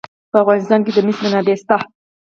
په افغانستان کې د مس منابع شته.